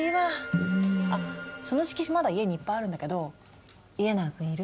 あその色紙まだ家にいっぱいあるんだけど家長くん要る？